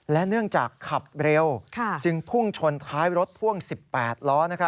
เนื่องจากขับเร็วจึงพุ่งชนท้ายรถพ่วง๑๘ล้อ